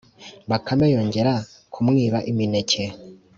bakame yongera kumwiba imineke